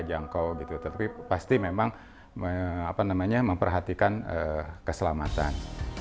jangkau gitu tetapi pasti memang apa namanya memperhatikan keselamatan